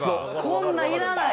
こんないらない。